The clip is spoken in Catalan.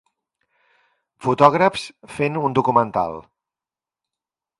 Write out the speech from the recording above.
Fotògrafs fent un documental.